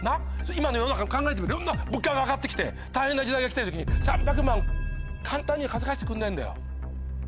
今の世の中考えてみろいろんな物価が上がってきて大変な時代がきてる時に３００万簡単には稼がしてくんないんだよ。